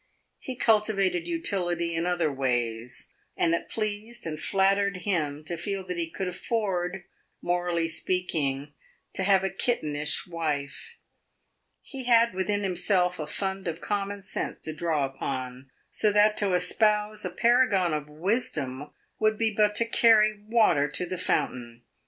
He cultivated utility in other ways, and it pleased and flattered him to feel that he could afford, morally speaking, to have a kittenish wife. He had within himself a fund of common sense to draw upon, so that to espouse a paragon of wisdom would be but to carry water to the fountain.